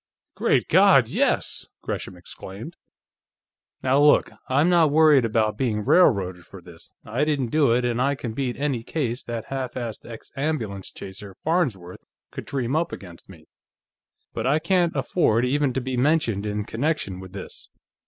"Great God, yes!" Gresham exclaimed. "Now look. I'm not worried about being railroaded for this. I didn't do it, and I can beat any case that half assed ex ambulance chaser, Farnsworth, could dream up against me. But I can't afford even to be mentioned in connection with this.